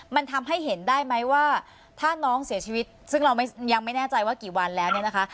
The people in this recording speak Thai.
มันทำให้เห็นได้ไหมว่าถ้าน้องเสียชีวิตซึ่งเรายังไม่แน่ใจว่ากี่วันแล้วเนี่ยนะคะ